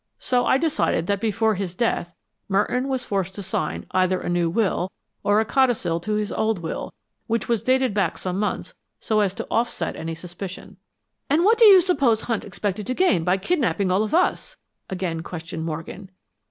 So I decided that before his death, Merton was forced to sign either a new will, or a codicil to his old will, which was dated back some months so as to offset any suspicions." "And what do you suppose Hunt expected to gain by kidnapping all of us?" again questioned Morgan.